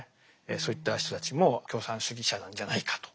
そういった人たちも共産主義者なんじゃないかと。